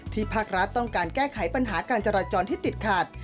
ภาครัฐต้องการแก้ไขปัญหาการจราจรที่ติดขัด